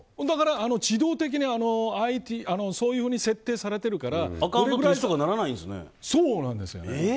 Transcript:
だから、自動的にそういうふうに設定されているからアカウント取り消しとかにそうなんです。